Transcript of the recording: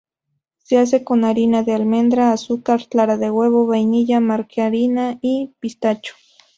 Se hace con harina de almendra, azúcar, clara de huevo, vainilla, margarina y pistacho.